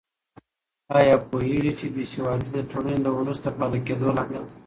آیا پوهېږې چې بې سوادي د ټولنې د وروسته پاتې کېدو لامل ده؟